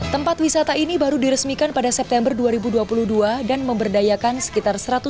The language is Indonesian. tempat wisata ini baru diresmikan pada september dua ribu dua puluh dua dan memberdayakan sekitar